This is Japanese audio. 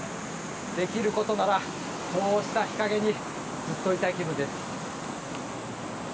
できることならこうした日陰にずっといたい気分です。